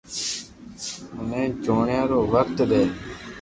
مني جوڻيا رو وقت دي